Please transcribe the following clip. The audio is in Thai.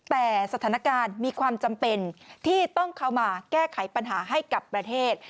แต่สถานการณ์มีความจำเป็นที่ต้องเข้ามาแก้ไขปัญหาให้กับประเทศ